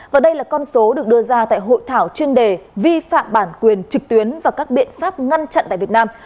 và đây là con số được đưa ra tại hội thảo chuyên đề vi phạm bản quyền trực tuyến và các biện pháp ngăn chặn tại việt nam